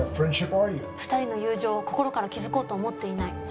「２人の友情を心から築こうと思っていない」。